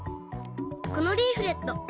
このリーフレット